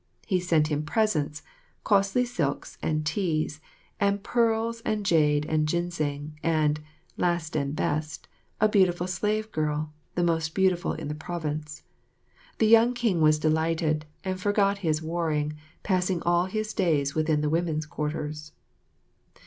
He sent him presents, costly silks and teas, and pearls and jade and ginseng, and, last and best, a beautiful slave girl, the most beautiful in the province. The young King was delighted, and forgot his warring, passing all his days within the women's quarters.